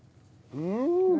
うん！